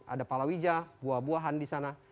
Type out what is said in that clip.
ada palawija buah buahan di sana